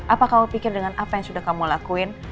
apa kamu pikir dengan apa yang sudah kamu lakuin